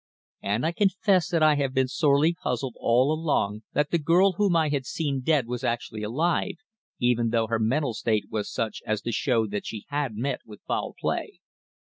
And I confess that I have been sorely puzzled all along that the girl whom I had seen dead was actually alive, even though her mental state was such as to show that she had met with foul play."